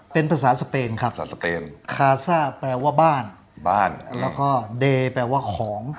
เป็นภาษาสเปนครับคาซ่าแปลว่าบ้านแล้วก็เดแปลว่าของ